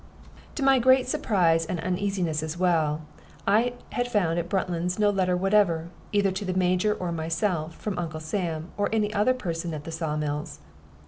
To my great surprise, and uneasiness as well, I had found at Bruntlands no letter whatever, either to the Major or myself, from Uncle Sam or any other person at the saw mills.